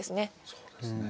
そうですね。